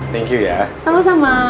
thank you ya sama sama